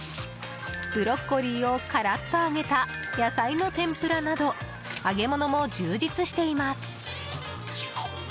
ブロッコリーをカラッと揚げた野菜の天ぷらなど揚げ物も充実しています。